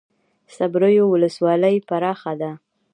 صبریو ولسوالۍ پراخه ده؟